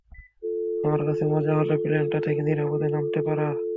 আমার কাছে মজা হল প্লেনটা থেকে নিরাপদে নামতে পারা।